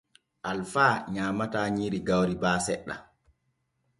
Alfa nyaamataa nyiiri gawri baa seɗɗa.